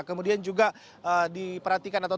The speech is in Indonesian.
kemudian juga diperhatikan menjadi perhatian para penonton